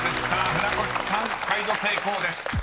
船越さん解除成功です］